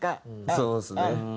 そうですね。